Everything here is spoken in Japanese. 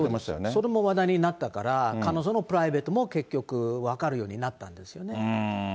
それもあったから、彼女のプライベートも分かるようになったんですよね。